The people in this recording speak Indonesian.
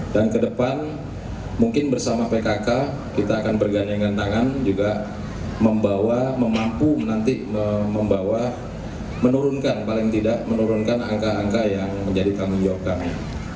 dan ke depan mungkin bersama pkk kita akan berganyang dengan tangan juga membawa memampu nanti membawa menurunkan paling tidak menurunkan angka angka yang menjadi tanggung jawab kami